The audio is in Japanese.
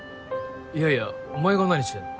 いやいやお前が何してんの？